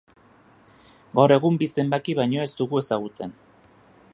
Gaur egun bi zenbaki baino ez dugu ezagutzen.